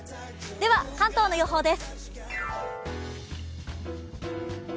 では関東の予報です。